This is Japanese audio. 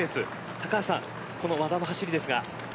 高橋さん、和田の走りですが。